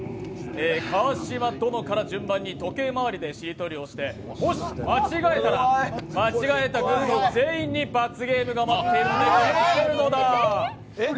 川島殿から順番で時計回りにしりとりをしてもし間違えたら、間違えた軍の全員に罰ゲームが待っているので気をつけるのだ。